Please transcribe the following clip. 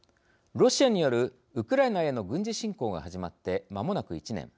ロシアによるウクライナへの軍事侵攻が始まってまもなく１年。